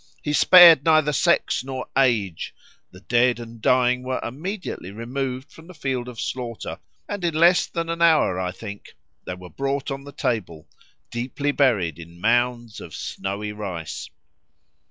He spared neither sex nor age; the dead and dying were immediately removed from the field of slaughter, and in less than an hour, I think, they were brought on the table, deeply buried in mounds of snowy rice.